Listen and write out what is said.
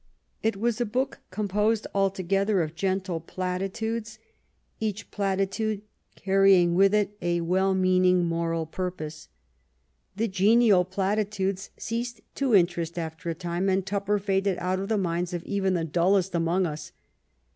It was a book com posed altogether of gentle platitudes, each platitude 24 THE STORY OF GLADSTONE'S LIFE carrying with it a well meaning moral purpose. The genial platitudes ceased to interest after a time, and Tupper faded out of the minds of even the dullest among us.